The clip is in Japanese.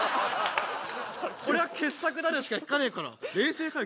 こりゃ傑作だでしか聞かねえから冷静かよ